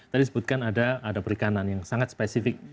tadi sebutkan ada perikanan yang sangat spesifik